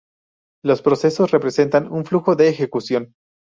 Los procesos representan un flujo de ejecución.